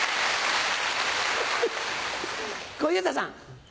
小遊三さん。